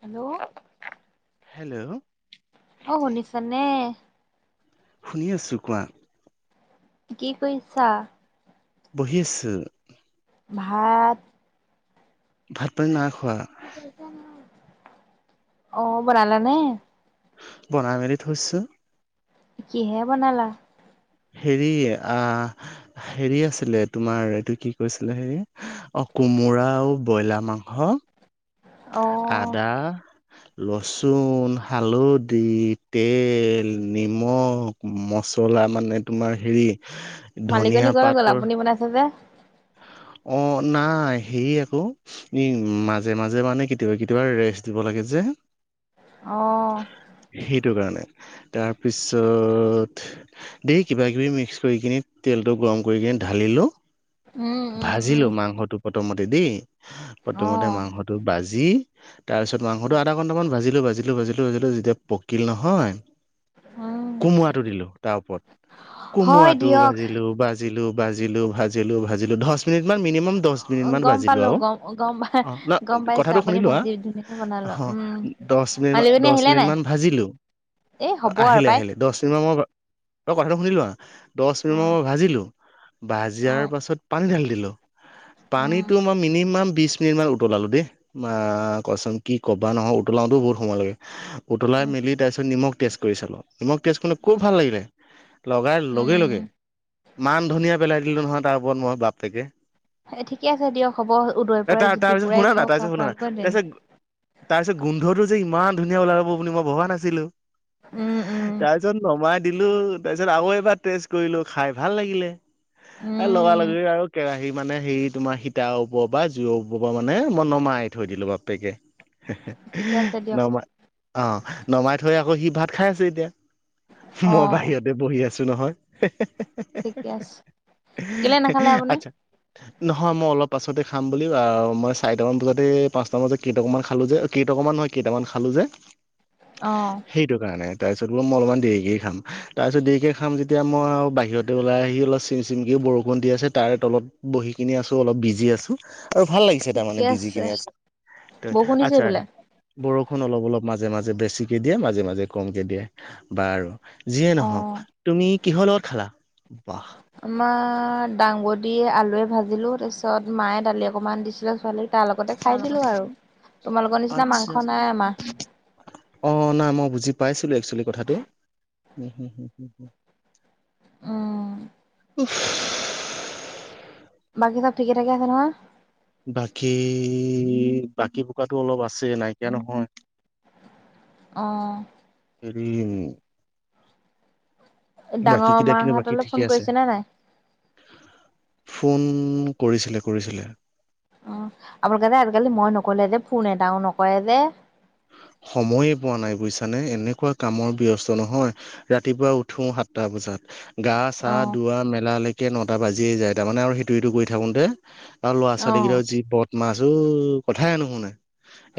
Hello,. Hello,. অ শুনিছানে। শুনি আছো কোৱা। কি কৰিছা। বহি আছো। ভাত ভাত পানী নাখ খোৱা। অ বনালা নে? বনাই মেলি থৈছো। কিহে বনালা? হেৰি আহ হেৰি আছিলে, তোমাৰ এইটো কি কৈছিলে হেৰি, অ কোমোৰা আৰু ব্ৰইলাৰ মাংস। অ আদা লচুন, হালধি, তেল, নিম মালিকনী কলে গ'ল আপুনি বনাইছে যে। অ নাই হেৰি আক, মাজে মাজে মানে কেতিয়াবা কেতিয়াবা ৰেষ্ট দিব লাগে যে। অ সেইটো কাৰণে। তাৰপিছত, ঢেৰ কিবা কিবি মিক্স কৰি কিনি তেলটো গৰম কৰি কিনে ঢালিলো। উম উম উম ভাজিলো মাংসটো প্ৰথমত তেদি অ প্ৰথমতে মাংসটো বাজি তাৰ পিছত মাংসটো আধা ঘণ্টামান ভাজিলো ভাজিলো ভাজিলো ভাজিলো যেতিয়া পকিল নহয় উম কোমোৰাটো দিলো তাৰ ওপৰত। হয় কোমোৰাটো দিয়ক ভাজিলো ভাজিলো ভাজিলো ভাজিলো ভাজিলো ধচ মিনিটমান মিনিমাম দছ অ মিনিটমান গম ভাজিলোঁ পালো আৰু গম গম অঁ গম ন পাইছো কথাটো আপুনি শুনি লোৱা, ভাজি ধুনীয়াকে বনালো হ উম দছ মিনিটমান মালিকনী দছ আহিলে নাই মিনিটমান ভাজিলোঁ, এই অ হ'ব আৰু আহিলে পাই আহিলে দছ মিনিটমান মই অঁ কথাটো শুনিলোঁ হ দছ অ মিনিটমান মই ভাজিলোঁ উম ভাজিয়াৰ পাছত ধালি দিলো উম পানীটো মই মিনিমাম বিছ মিনিট মান উতলালো দেই, মা কচোন কি ক'বা নহয় উতলাওতো বহুত সময় লাগে। উতলাই উম মেলি তাৰ পিছত নিমখ টেষ্ট কৰি চালোঁ নিমখ টেষ্ট কৰিলে খুব উম ভাল লাগিলে, লগাৰ লগে উম লগে মান ধনিয়া পেলাই দিলো নহয়। তাৰ ওপৰত মই বাপেকে ঠিকে আছে দিয়ক হ'ব উদয় এ পুৰাই তাৰ জুতি তাৰ পিছত পুৰাই শুনা না খওক তাৰপিছত শুনা না আপোনালোকৰ দিন তাৰপিছত তাৰ পিছত গোন্ধটো যে ইমান ধুনীয়া ওলাব বুলি মই ভবা নাছিলো। উম উম তাৰপাছত নমাই দিলো তাৰপিছত আৰু এইবাৰ টেষ্ট কৰিলো খাই ভাল লাগিলে, লগা উম লগ ই আৰু কেৰাহী মানে হেৰি তোমাৰ সীতাৰ ওপৰ পৰা জুইৰ ওপৰ পৰা মানে নমাই থৈ দিলো বাপেকে। হে ঠিকে হেএএএ আছে দিয়ক নমাই অ নমাই থৈ আ ত সি ভাত খাই আছে এতিয়া। অ মই বাহিৰতে বহি আছো আছোঁ নহয় হে হেএএ ঠিকে আছে কিমান আ হেএএ আচ্ছা নহয় মই অলপ পাছতে খাম বুলি আ মই চাৰিটামান বজাতে পাঁচটামান বজাতে কেইটকামান খালো যে কেইটকামান নহয় কেইটামান খালো যে অ সেইটো কাৰণে তাৰপিছত বোলো মই অলপ দেৰিকে খাম, তাৰপিছত দেৰিকে খাম যেতিয়া মই আৰু বাহিৰতে ওলাই আহি অলপ চিম চিমকে বৰষ ষুণ দি আছে তাৰে তলত বহি কিনি আছো অলপ বিজি আছো,, অ ভাল লাগিছে তাৰ মানে ঠিকে বিজি আছে কিনি আচ বৰষুণ দিছে আচ্ছা সেইফালে বৰ বৰষুণ অলপ অলপ মাজে মাজে বেছিকে দিয়ে মাজে মাজে কমকে দিয়ে, বাৰু যিয়ে অ নহওক তুমি কিহৰ লগত খালা বাহ অ দাং বডী আলুৱে ভাজিলোঁ তা পিছত মায়ে দালি অকণমান দিছিলে ছোৱালীক। তাৰ লগতে খাই দিলো আৰু তোমালোকৰ নিচিনা মাংস আচ্ছা, নাই আমাৰ অ নাই মই বুজি পাইছিলো একশ্ললি কথাটো হু হু হু হু উম উফফফফ বাকী চব ঠিকে ঠাকে আছে নহয় বাকী বাকী বোকাটো অলপ আছে নাইকিয়া নহয় অঁ উমমম ডাঙৰ কেইটা মা কিন্তু বাকী হতলৈ ঠিকে ফোন আছে কৰিছিলা নাই? ফোন কৰিছিলে, কৰিছিলে অ অভিক দাদাই আজিকালি মই নকৰিলে যে ফোন এটাও নকৰে যে সময়ে পোৱা নাই বুইছানে, এনেকুৱা কামৰ ব্যস্ত নহয় ৰাতিপুৱা উঠো সাতটা বজাত গা চা অ ধোৱা মেলালৈক তাকে নটা বাজিয়েই যায় তাৰমানে আৰু সেইটো ইটো কৰি থাকোঁতে আৰু ল'ৰা অ ছোৱালী কেইটা যি উৎপাত মাজৌ কথাই নুশুনে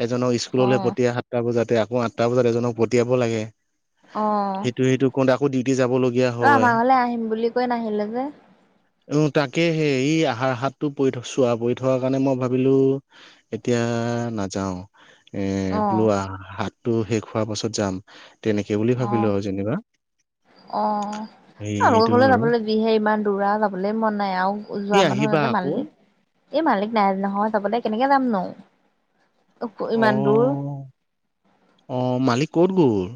এজনক স্কুললে পথ টা বজাতে আকৌ আঠটা বজাত এজনক পঠিয়াব লাগে। আহ সেইটো সেইটো কৰোতে আকৌ ডিউটি যাবলগীয়া ত হয় আমাৰ ঘৰলে আহিম বুলি কৈ নাহিলি যে। উ তাকে হে এই আহাৰ হাতটো পৰি থ চোৱা পৰি থকাৰ কাৰণে মই ভাবিলো এতিয়া নাযাও। [unintelligible] উম অ লোৱা হাত টো শেষ হোৱাৰ পাছত যাম। তেনেকে বুলি ভাবিলো আহ আৰু যেনিবা আহ সেইটো আপোনালোকৰ ঘৰলে বাৰু যাবলৈ যিহে ইমান দূৰ আও যাবলৈ মন নাই আৰু কি যোৱা মানুহ আহিবা নাই যে আকৌ মানিলে [unintelligible] এই মালিক নাই নহয় চাবলৈ কেনেকে যাম নো। [unintelligible] অ ইমান দূৰ। অ মালিক ক'ত গল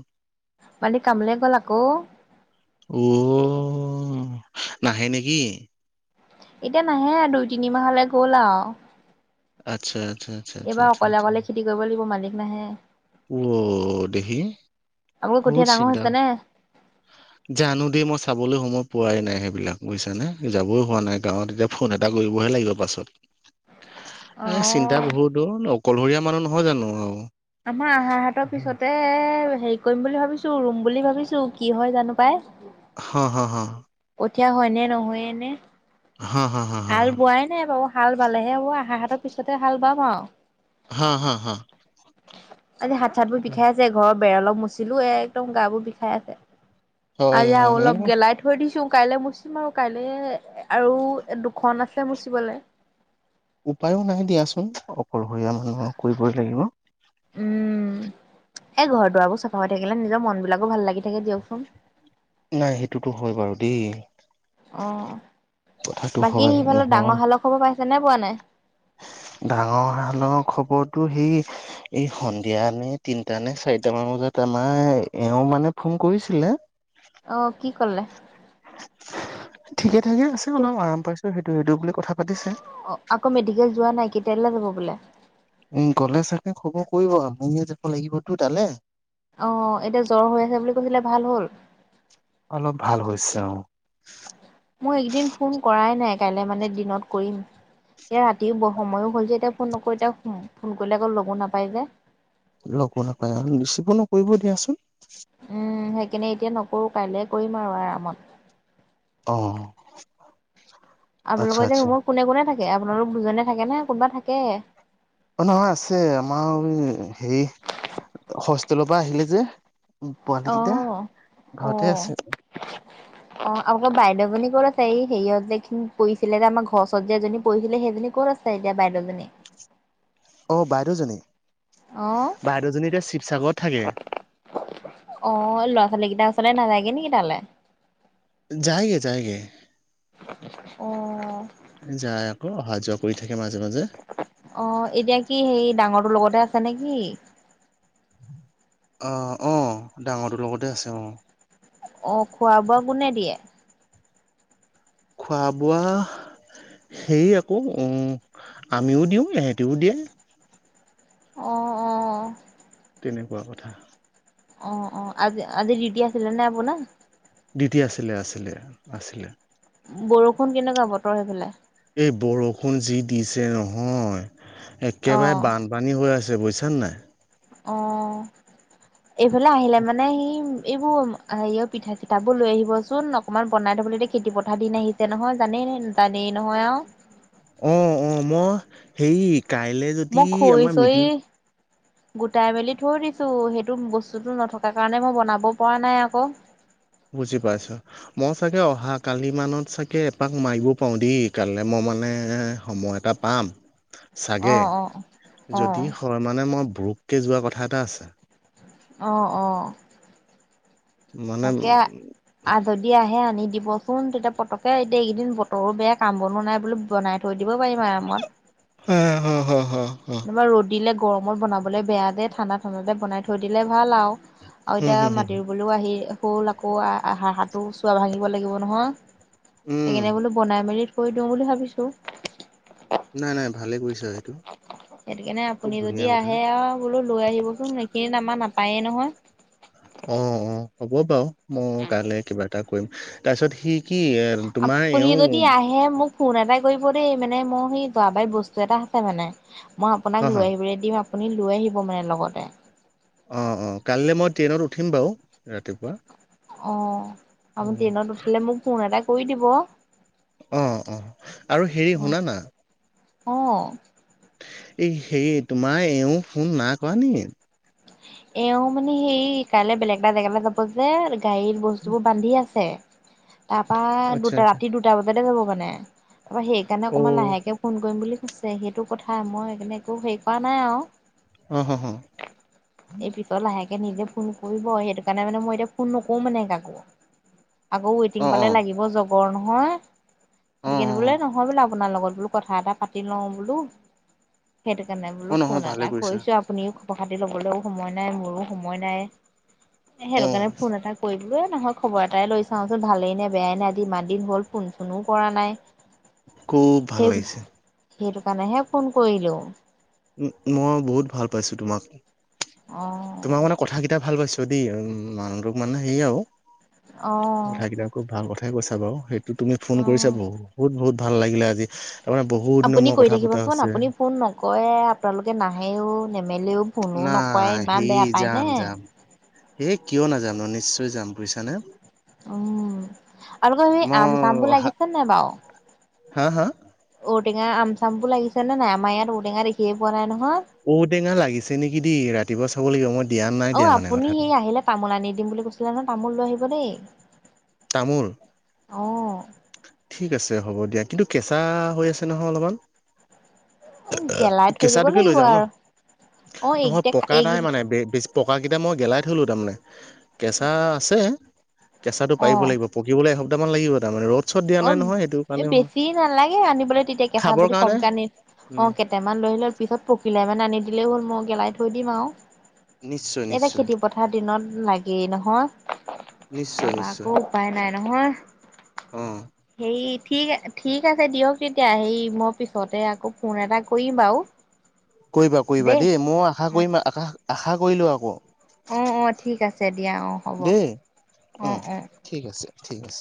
মালিক কামলে গ'ল আক অ নাহে নেকি? এতিয়া নাহে দুই তিনি মাহলৈ গ'ল আৰু। আচ্ছা আচ্ছা আচ্ছা আচ্ছা অকলে খেতি কৰিব লাগিব মালিক নাহে। অ দেহি আপোনালোকৰ কঠীয়া বহুত ডাঙৰ চিধা। হৈছে [unintelligible] নে জানো দেই মই চাবলৈ সময় পোৱাই নাই সেইবিলাক বুজিছানে যাবই হোৱা নাই গাঁৱত এতিয়া ফোন এটা কৰিবহে লাগিব পাছত। অ [unintelligible] চিন্তা বহুত অ অকলহৰীয়া মানুহ নহয় জানো আৰু আমাৰ আহাৰ হাতৰ পিছতে হেৰি কৰিম বুলি ভাবিছো ৰুম বুলি ভাবিছো কি হয় জানো পাই। হা হা হা কঠিয়া হয় নে নহয়ে নে? হা হা হা হা হাল বোৱাই নাই বাৰু হাল বালেহে হব আহাৰ হাতত ত পিছতে হাল বাম আও হা হা হা আজি হাত চাত বোৰ বিষাই আছে ঘৰ বেৰ অলপ মুচিলো এ একদম গা বোৰ বিষাই আছে হয় আজি আও অলপ হয় গেলাই থৈ দিছো। মছ কাইলৈ মুচিম আৰু কাইলে আৰু দুখন আছে মোচিবলে। [unintelligible] উপায়ো নাই দিয়াচোন। অকলহৰীয়া মানুহ কৰিবই লাগিব। উম। এই ঘৰ দুৱাৰবোৰ চাফা হৈ থাকিলে নিজৰ মন বিলাকো ভাল লাগি থাকে দিয়কচোন। নাই সেইটোতো হয় বাৰু [inaudible] অ কথাটো বাকী হয় সিফালত নোহোৱা ডাঙৰ শালৰ খবৰ পাইছো যেনে পোৱা নাই ডাঙৰ হৰ খবৰটো সেই এই সন্ধিয়া নে তিনটা নে চাৰিটা মান বজাত আমাৰ এওঁ মানে ফোন কৰিছিলে [unintelligible] কেলে। ঠিকেই? থিকে আছে অলপ আৰাম পাইছো সেইটো সেইটো বুলি কথা পাতিছে? তেল পবিল। উম গ'লে চাগে খবৰ কৰিব মুয়ে যাব লাগিবতো তালে। আহ এতিয়া জ্বৰ হৈ আছে বুলি কৈছিলে ভাল হ'ল। অলপ ভাল হৈছে অ। মই এইকেইদিন ফোন কৰাই নাই কাইলৈ মানে দিনত কৰিম এতিয়া ৰাতিও সময়ো হ'ল যে এতিয়া ফোন নকৰি এতিয়া ফোন কৰিলে আকৌ লগো নাপায় যে। লগো নাপায় আৰু ৰিচিভ নকৰিব দিয়াচোন? উম সে। কেনে এতিয়া নকৰোঁ কাইলৈ কৰিম আৰু আৰামত। অ আপোনালোকৰ আচ্ছা এতিয়া আচ্ছা ৰুমত কোনে কোনে থাকে। আপোনালোক দুজনে থাকে নে কোনোবা থাকে। অ নহয় আছে আমাৰ হেৰি হোষ্টেলৰ পৰা আহিলে যে। পোৱালি অ কেইটা অ ঘৰতে আছে অ আকৌ বাইদেউ বুলি। ছে এই সেহত যে পৰিছিলে এ আমাৰ ঘৰ যে এজনী পৰিছিলে সেইজনী কত আছে এতিয়া বাইদত? অ বাইক। দুজনী। আহ থাকে আহ ল'ৰা ছোৱালী কেইটা। আপোনি নাজাই নেকি তালে। যায়গে যায়গে। অ যায় আকৌ অহা যোৱা কৰি থাকে মাজে মাজে। অ এতিয়া কি সেই ডাঙৰটোৰ লগতে আছে নেকি? আহ আহ ডাঙৰটোৰ লগতে আছে অ। অ খোৱা বোৱা কোনে দিয়ে। খোৱা বোৱা সে আকৌ আমিও দিওঁ ইহেঁতিও দিয়ে? অ', অ'। তেনেকুৱা কথা। অ', অ আজি আজি ডিউটি আছিলে নে আপোনা। ডিটি আছিলে আছিলে আছিলে? বৰষুণ কেনেকুৱা বতৰ সেই ফালে। এই বৰষুণ যি দিছে নহয়। একেবাৰে অ', বানপানী হৈ আছে? বুজছা নাই। অঁ এইফালে আহিলে মানে সি। এইবোৰ হেৰিও পিঠা চিঠাবোৰ লৈ আহিবচোন অকণমান বনাই থ'বলৈ এতিয়া খেতিপথাৰ দিন আহিছে নহয় জানেই জানেই নহয় আৰু। অ অ মই হেৰি। কাইলৈ মই যদি খৰি আমাৰ চৰি মিটিং। গোটাই মেলি থৈ দিছোঁ সেইটো বস্তুটো নথকাৰ কাৰণে মই বনাব পৰা নাই আকৌ? বুজি পাইছো মই চাগে অহা কালি মানত চাগে এপাক মাৰিব পাৰো দেই। কাইলৈ মই মানে সময় এটা পাম। চাগে, অ', অ', যদি অ', হয় মানে মই বৰুককে যোৱা কথা এটা আছে। অঁ অ মানে তাকে আ যদি আহে আনি দিব। বৰষুণ তেতিয়া পতককে আহি দিয়ে এইকেইদিন বতৰো বেয়া কাম বনোৱা নাই বো বনাই থৈ দিব পাৰিম আৰামত। উম হু হু হু তোমাৰ ৰ'দ দিলে গৰমত বনাবলৈ বেয়াে ঠাণ্ডা ঠাণ্ডাতে বনাই থৈ দিলে। ভাল আওঁ আৰু এতিয়া মাটি বলৈও আহি, ফুল আকৌ আহা হাঁটো চোৱা ভাঙিব লাগিব নহয়। উম সেইকাৰণনে বোলো বনাই মেলি কৈ দিওঁ বুলি ভাবিছো। নাই নাই ভালে কৰিছা সেইটো। সেইটো কাৰণে খুব আপুনি যদি ধুনীয়া কথা আহে আৰু বোলো লৈ আহিবচোন এইখিন আমাৰ মা পায়ে নহয় অ অ হ'ব বাৰু মই কাইলৈ কিবা এটা কৰিম তাৰপিছত সি কি এ তোমাৰ আপুনি এওঁ যদি আহে মোক ফোন এটা কৰিব। দেই মানে মোৰ সি যোৱাবাৰ বস্তু এটা আছে মানে। মই হ আপোনাক হ লৈ আহিবলৈ দিম। আপুনি লৈ আহিব মানে লগতে। অ অ কাইলৈ মই ট্ৰেইনত উঠিম বাও ৰাতিপুৱা অ আৰু ট্ৰেইনত উঠিলে মোক ফোন এটা কৰি দিব। অ অ আৰু হেৰি শুনা না অ এই হে তোমাৰ এওঁ ফোন নাই কৰা নি? এওঁ মানে সেই কাইলে বেলেগ এটা জেগালৈ যাব যে গাড়ীত বস্তুবোৰ বান্ধি আছে। তাৰপা আচ্ছা দুটা আচ্ছা ৰাতি দুটা বজাতে যাব। মানে ত সেইকাৰণে অ অকণমান লাহেকে ফোন কৰিম বুলি। ছে সেইটো কথা মই সেইকাৰণে একো হেৰি কৰা নাই আৰু আহ হ হ এই বিপৰ ল আহে তে নিজে ফোন কৰিব। সেইটো কাৰণে মানে মই এতিয়া ফোন নকৰো মানে কাকো আকৌ ৱেটিং অ অ পালে লাগিব য বৰহ অ অ য় কিনিবোলে নহয় বোলে। আপোনাৰ লগত বোলো কথা এটা পাতি লওঁ বোলো। সেইটো কাৰণে বোলো অ ফোন নহয় ভালে এটা কৰিছা কৰিছো আপুনিও প্ৰহাটতি ল'লেও সময় নাই মোৰো সময় নাই, অ সেইটো কাৰণে ফোন এটা কৰিব বলে নহয় খবৰ এটাই লৈ চাওঁচোন ভালেই নে বেয়াই নাই আজি ইমান দিন হ'ল ফোন চোনো কৰা নাই। খুব ভাল সেই লাগিছে। সেইটো কাৰণেহে ফোন কৰিলো। উ মই বহুত ভাল পাইছো তোমাক। অ', তোমাক মানে কথা কেইটা ভাল পাইছোঁ যদি মানুহটোক মানে সে আৰু অ', কথা কেইটা খুব ভাল কথাই কৈছে! হাবও সেই তুমি ফোন কৰিছা অ'। বহু বহুত বহুত ভাল লাগিলে আজি তাৰমানে বহুত দিনৰ আপুনি মূৰত কৰি কথা পতা থাকিবচোন হৈছে আপুনি ফোন নকৰে আপোনালোকে নাহেও নেমেলেও ফোনো নকৰে ইমান হেই বেয়া পায়নে যাম যাম এই কিয় নাজাম নিশ্চয় ত যাম বুইছা নে উম আৰু ক স আম মই চামবোৰ অহা লাগিছে নে বাৰু হা হা? ঔটেঙা আম চাম বোৰ লাগিছে নাই আমাৰ ইয়াৰ ঔ টেঙা দেখিয়ে পোৱা নাই ন ঔটেঙা লাগিছে নেকি দ ৰাতি দ চাবলাগিব মই, দিয়া নাই অঁ দিয়া মানে আপুনি কথাটো সেই আহিলে তামোল আনি দিম বুলি কৈছিলে ন তামোল লৈ আহিবি দেই। তামোল? অ'। ঠিক আছে হ'ব দিয়া কিন্তু কেঁচা হৈ আছে নহয় অলপমান- উ গেলাই থৈ দিব কেঁচাটোকে লৈ লাগিব যাম ন আৰু অ এইকেইটাই এইকেই, এই কেইটা মই গেলাই থলো মানে তাৰ মানে কেচা আছে। অ পাৰিব লাগিব পকিবলে হ'ব টা মান লাগিব তাৰ মানে ৰ'দ চ'দ দিয়া অ নাই নহয় সেইটো এ কাৰণে হয়। বেছি নালাগে আনিবলৈ তেতিয়া কেঁচা খাবৰ যদি কাৰণে কমকে আনি অ উম কেইটামান লৈ আহিলে হল পিছত পকিলেই মানে আনি দিলেই হ'ল মই গেলাই থৈ দিম আও নিশ্চয় এতিয়া নিশ্চয় খেতি পথাৰ দিনত লাগেই নহয় নিশ্চয় তাপা নিশ্চয় আকৌ উপায় নাই নহয় অ হেই ঠিক ঠিক আছে দিয়ক তেতিয়া হেই মই পিছতে আকৌ ফোন এটা কৰিম বাৰু কৰিবা কৰিবা দেই মই আশা কৰিম আশা আশা কৰিলোঁ আকৌ অ অ ঠিক আছে দিয়া অ হ'ব দেই অ উম অ ঠিক আছে ঠিক আছে